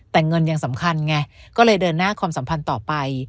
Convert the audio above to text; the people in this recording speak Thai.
แต่เงินยังสำคัญไงก็เลยเดินหน้าความสัมพันธ์ต่อไป